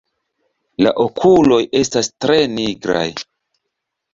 La okuloj estas tre nigraj.